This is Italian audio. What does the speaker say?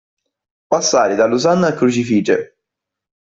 Passare dall'osanna al crucifige.